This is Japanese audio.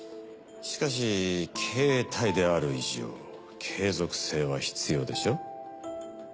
しかし経営体である以上継続性は必要でしょ？